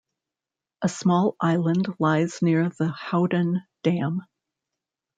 A small island lies near the Howden Dam.